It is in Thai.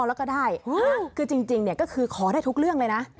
ขอพรแล้วก็ได้จริงก็คือขอได้ทุกเรื่องเลยนะ